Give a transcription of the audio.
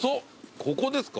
ここですか？